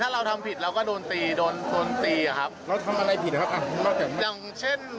ถ้าเราทำผิดเราก็โดนตีโดนตีครับ